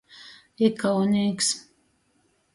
Ikaunīks.